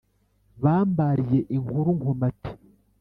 bambariye inkuru nkomati